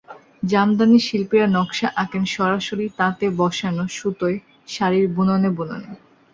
জামদানির শিল্পীরা নকশা আঁকেন সরাসরি তাঁতে বসানো সুতোয় শাড়ির বুননে বুননে।